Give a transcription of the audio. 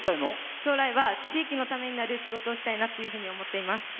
将来は地域のためになる仕事をしたいなと思ってます。